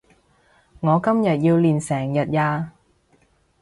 我今日要練成日呀